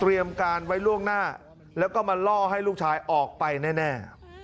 การไว้ล่วงหน้าแล้วก็มาล่อให้ลูกชายออกไปแน่